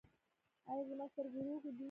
ایا زما سترګې روغې دي؟